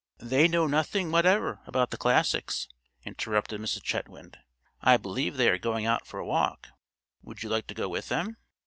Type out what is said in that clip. "They know nothing whatever about the classics," interrupted Mrs. Chetwynd. "I believe they are going out for a walk; would you like to go with them?"